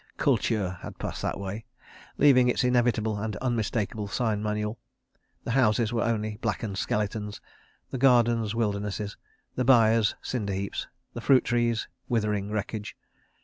Kultur had passed that way, leaving its inevitable and unmistakable sign manual. The houses were only blackened skeletons; the gardens, wildernesses; the byres, cinder heaps; the fruit trees, withering wreckage.